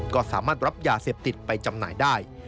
ก็สามารถรับยาเสพติดไปจำหน่ายได้